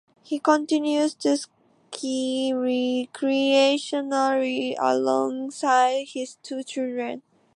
He continues to ski recreationally alongside his two children.